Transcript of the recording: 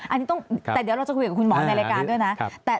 อันนี้ต้องแต่เดี๋ยวเราจะคุยกับคุณหมอในรายการด้วยนะ